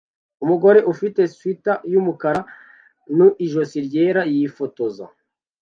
Umugore ufite swater yumukara nu ijosi ryera yifotoza